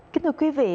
kính thưa quý vị